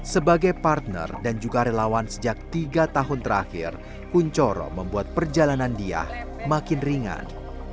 sebagai partner dan juga relawan sejak tiga tahun terakhir kunchoro membuat perjalanan dia makin ringan